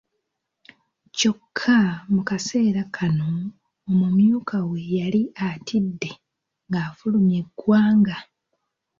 Kyokka mu kaseera kano omumyuka we yali atidde ng'afulumye eggwanga.